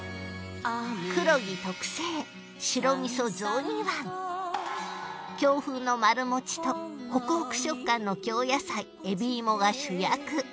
くろぎ特製京風の丸もちとホクホク食感の京野菜えび芋が主役